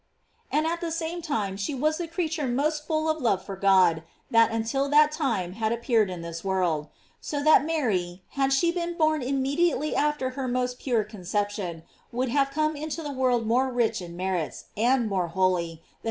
And at the same time she was the creature most full of love for God that until that time had ap peared in this world; so that Mary, had she been born immediately after her most pure concep tion, would have come into the world more rich in merits, and more holy, than all the saints united.